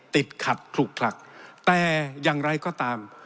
ติดขัดขลุกคลักแต่อย่างไรก็ตาม